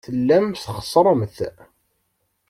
Tellamt txeṣṣremt.